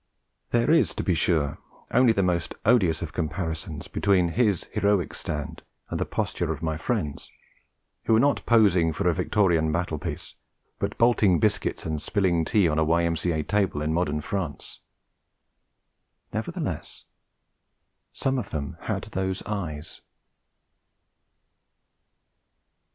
There is, to be sure, only the most odious of comparisons between his heroic stand and the posture of my friends, who were not posing for a Victorian battle piece, but bolting biscuits and spilling tea on a Y.M.C.A. table in modern France. Nevertheless, some of them had those eyes.